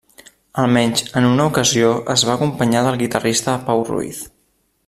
Almenys en una ocasió es va acompanyar del guitarrista Pau Ruiz.